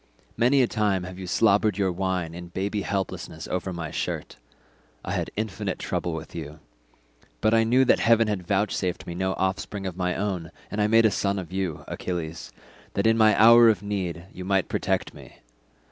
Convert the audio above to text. Many a time have you slobbered your wine in baby helplessness over my shirt; I had infinite trouble with you, but I knew that heaven had vouchsafed me no offspring of my own, and I made a son of you, Achilles, that in my hour of need you might protect me.